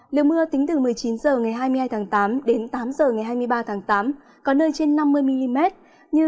lượng mưa tính từ một mươi chín h ngày hai mươi hai tháng tám đến tám h ngày hai mươi ba tháng tám có nơi trên năm mươi mm như